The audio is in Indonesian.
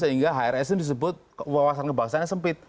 sehingga hrs ini disebut wawasan kebangsaannya sempit